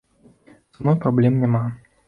Са мной праблем няма.